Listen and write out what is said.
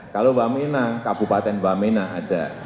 kalau waminah kabupaten waminah ada